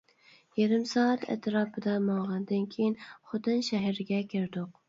يېرىم سائەت ئەتراپىدا ماڭغاندىن كېيىن خوتەن شەھىرىگە كىردۇق.